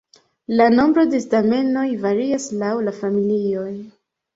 La nombro de stamenoj varias laŭ la familioj.